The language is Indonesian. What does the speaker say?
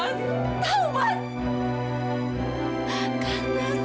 dan siapa pun yang much